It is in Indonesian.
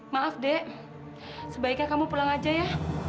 maaf dek sebaiknya kamu pulang aja ya